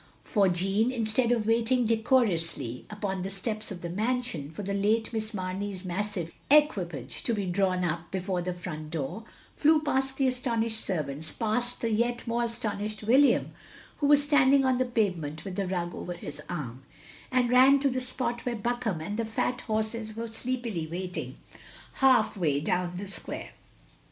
For Jeanne, instead of waiting decorously upon the steps of the mansion, for the late Miss Mamey 's massive eqtdpage to be drawn up before the front door, flew past the astonished servants, past the yet more astonished William, who was stand ing on the pavement with the rug over his arm; and ran to the spot where Buckam and the fat horses were sleepily waiting, half way down the Square.